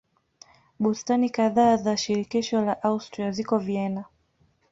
Bustani kadhaa za shirikisho la Austria ziko Vienna.